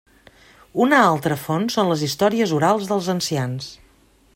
Una altra font són les històries orals dels ancians.